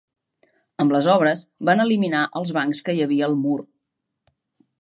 Amb les obres van eliminar els bancs que hi havia al mur.